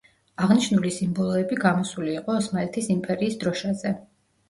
აღნიშნული სიმბოლოები გამოსული იყო ოსმალეთის იმპერიის დროშაზე.